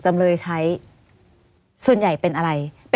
ไม่มีครับไม่มีครับ